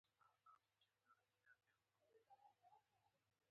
هدف د ټولنې د هڅو لارښود دی.